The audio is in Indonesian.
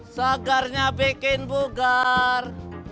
segarnya bikin buger